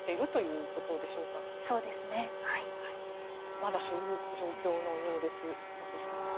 まだそういう状況のようです。